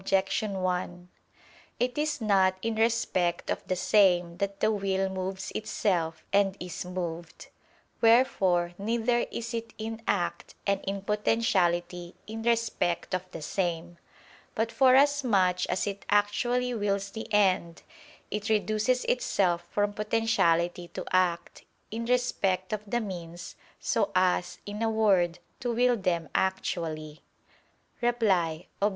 1: It is not in respect of the same that the will moves itself and is moved: wherefore neither is it in act and in potentiality in respect of the same. But forasmuch as it actually wills the end, it reduces itself from potentiality to act, in respect of the means, so as, in a word, to will them actually. Reply Obj.